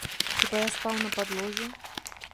Хіба я спаў на падлозе?